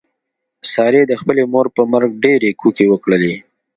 سارې د خپلې مور په مرګ ډېرې کوکې وکړلې.